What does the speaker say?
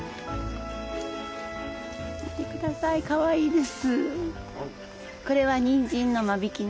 見てくださいかわいいです。